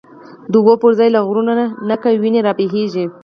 د اوبو پر ځای له غرونو، نګه وینی رابهیږی